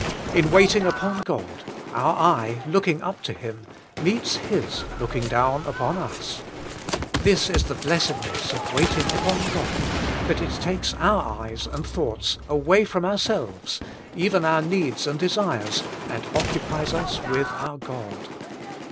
In waiting upon God, our eye, looking up to Him, meets His looking down upon us. This is the blessedness of waiting upon God, that it takes our eyes and thoughts Bway from ourselves, even our needs and desires, WAITING ON GOD! 55 and occupies us with our God.